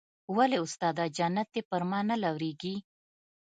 ولې استاده جنت دې پر ما نه لورېږي.